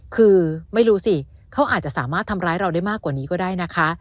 คือไม่รู้สิเขาอาจจะสามารถทำร้ายเราได้มากกว่านี้ก็ได้นะคะ